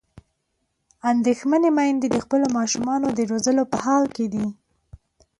اندېښمنې میندې د خپلو ماشومانو د روزلو په حال کې دي.